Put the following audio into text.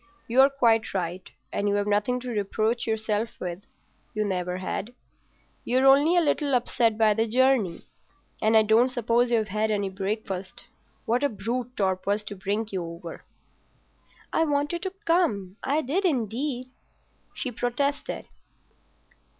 You're quite right, and you've nothing to reproach yourself with—you never had. You're only a little upset by the journey, and I don't suppose you've had any breakfast. What a brute Torp was to bring you over." "I wanted to come. I did indeed," she protested.